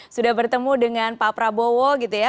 sudah bertemu dengan pak prabowo gitu ya